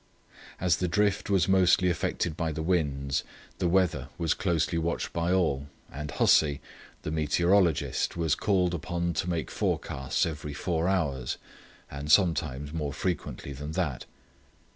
As the drift was mostly affected by the winds, the weather was closely watched by all, and Hussey, the meteorologist, was called upon to make forecasts every four hours, and some times more frequently than that.